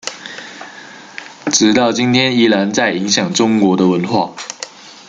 直到今天依然在影响中国的文化。